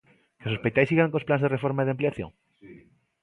¿Que os hospitais sigan cos plans de reforma e de ampliación?